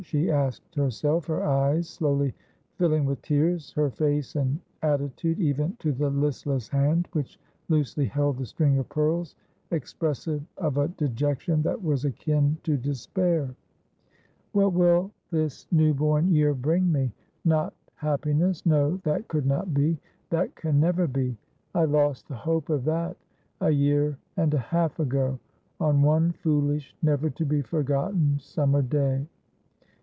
she asked herself, her eyes slowly filling with tears, her face and attitude, even to the listless hand which loosely held the string of pearls, expressive of a dejection that was akiu to despair. ' What will this new born year bring me ? Not happiness. No, that could not be — that can never be. I lost the hope of that a year and a half ago — on one foolish, never to be forgotten summer day.